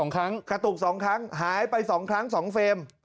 ๒ครั้งกระตุก๒ครั้งหายไป๒ครั้ง๒เฟรม